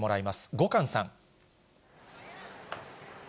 後閑さん。